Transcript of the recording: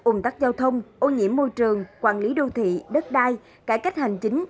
ủng tắc giao thông ô nhiễm môi trường quản lý đô thị đất đai cải cách hành chính